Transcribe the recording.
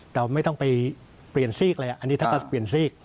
แต่ไม่ต้องไปเปลี่ยนซีกเลยอันนี้ถ้าเขาเปลี่ยนซีก